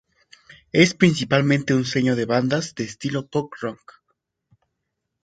Es principalmente un sello de bandas de estilo punk rock.